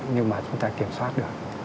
nhưng mà chúng ta kiểm soát được